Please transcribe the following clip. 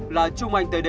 là trung anh td và bắc ninh